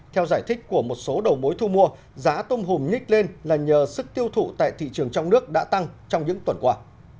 theo giải thích của một số đầu mối thu mua giá tôm hùm nhích lên là nhờ sức tiêu thụ tại thị trường trong nước đã tăng trong những tuần qua